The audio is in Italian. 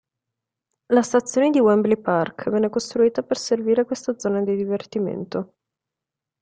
La stazione di Wembley Park venne costruita per servire questa zona di divertimento.